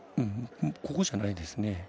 ここしかないですね。